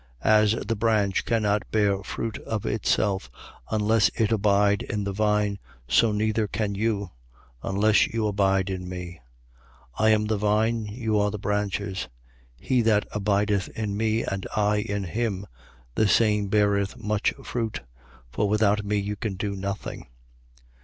As the branch cannot bear fruit of itself, unless it abide in the vine, so neither can you, unless you abide in me. 15:5. I am the vine: you the branches. He that abideth in me, and I in him, the same beareth much fruit: for without me you can do nothing.